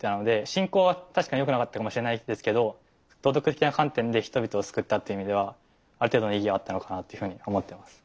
侵攻は確かによくなかったかもしれないですけど道徳的な観点で人々を救ったっていう意味ではある程度の意義はあったのかなっていうふうに思ってます。